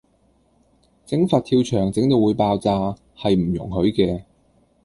整佛跳牆整到會爆炸，係唔容許嘅